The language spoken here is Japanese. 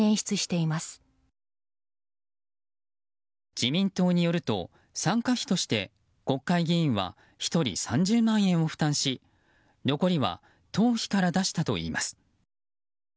自民党によると参加費として、国会議員は１人３０万円を負担し残りは党費から出したといいます。